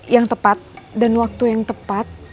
yang tepat dan waktu yang tepat